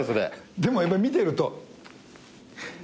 でもやっぱ見てると。